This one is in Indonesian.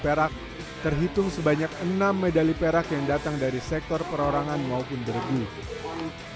perak terhitung sebanyak enam medali perak yang datang dari sektor perorangan maupun berburu